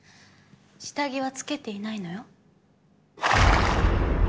下着はつけていないのよ。